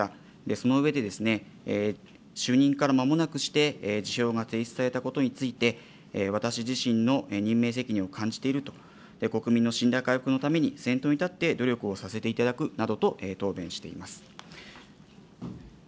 その上でですね、就任からまもなくして辞表が提出されたことについて、私自身の任命責任を感じていると、国民の信頼回復のために、先頭に立って努力をさせていただくなどと答弁しています。